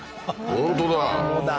本当だ